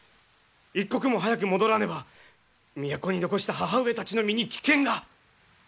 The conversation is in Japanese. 一刻も早く戻らねば都に残した母上たちの身に危険が！